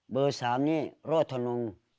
เบอร์สามเนี่ยโรธนุง